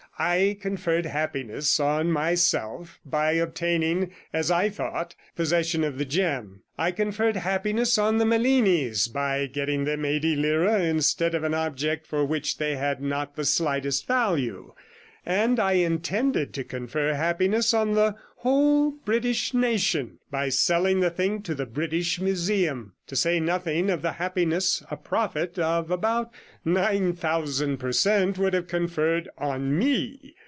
I conferred happiness on myself by obtaining (as I thought) possession of the gem; I conferred happiness on the Melinis by getting them eighty lire instead of an object for which they had not the slightest value, and I intended to confer happiness on the whole British nation by selling the thing to the British Museum, to say nothing of the happiness a profit of about nine thousand per cent would have conferred on me.